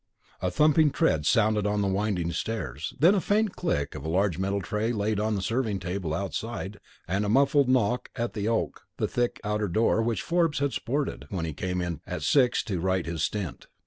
A thumping tread sounded on the winding stairs, then the faint clink of a large metal tray laid on the serving table outside, and a muffled knock at the "oak," the thick outer door which Forbes had "sported" when he came in at six to write his stint.